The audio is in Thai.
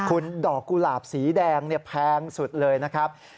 คุณดอกกุหลาบสีแดงแพงสุดเลยนะครับ